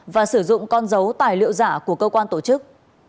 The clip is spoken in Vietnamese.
và sử dụng con dấu tài liệu giả của cơ quan tổ chức